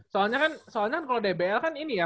soalnya kan soalnya kalau dbl kan ini ya